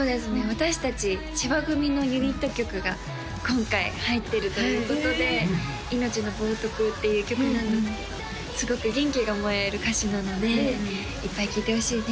私達千葉組のユニット曲が今回入ってるということで「命の冒涜」っていう曲なんですけどすごく元気がもらえる歌詞なのでいっぱい聴いてほしいね